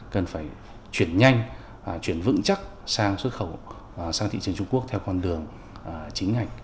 cần phải chuyển nhanh chuyển vững chắc sang thị trường trung quốc theo con đường chính ngạch